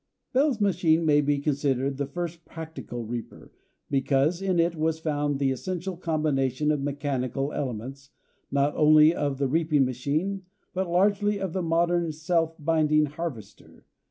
Bell's machine may be considered the first practical reaper, because in it was found the essential combination of mechanical elements, not only of the reaping machine, but largely of the modern self binding harvester.